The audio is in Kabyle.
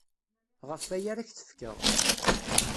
Ɣef waya ara ak-t-fkeɣ.